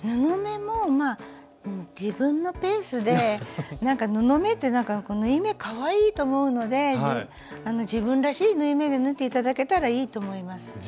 布目も自分のペースで布目って縫い目かわいいと思うので自分らしい縫い目で縫って頂けたらいいと思います。